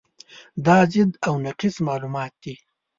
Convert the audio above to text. دا ضد او نقیض معلومات دي.